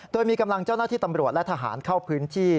โดยมีกำลังเจ้าหน้าที่ตำรวจและทหารเข้าพื้นที่